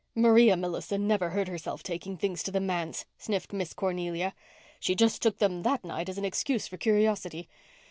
"Maria Millison never hurt herself taking things to the manse," sniffed Miss Cornelia. "She just took them that night as an excuse for curiosity.